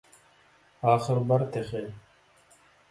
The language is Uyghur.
ئاخىرى بار تېخى!